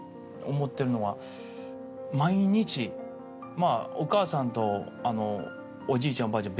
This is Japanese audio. まあお母さんとおじいちゃんおばあちゃん